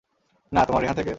না তোমার রেহান থেকে?